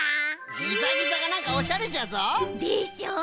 ギザギザがなんかおしゃれじゃぞ！でしょ？